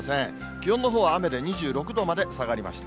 気温のほうは雨で２６度まで下がりました。